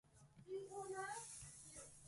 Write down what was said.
福岡県筑紫野市